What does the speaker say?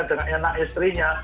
dengan anak istrinya